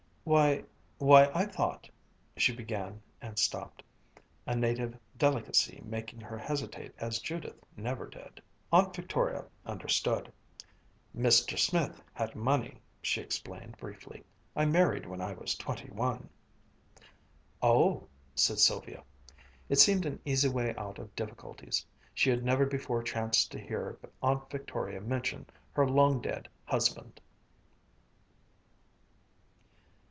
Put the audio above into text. "Why why, I thought " she began and stopped, a native delicacy making her hesitate as Judith never did. Aunt Victoria understood. "Mr. Smith had money," she explained briefly. "I married when I was twenty one." "Oh," said Sylvia. It seemed an easy way out of difficulties. She had never before chanced to hear Aunt Victoria mention her long dead husband.